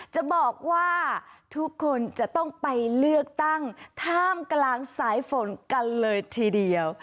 จะบอกว่าทุกคนจะต้องไปเลือกตั้งท่ามกลางสายฝนกันเลยทีเดียว